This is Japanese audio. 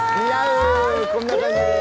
こんな感じ。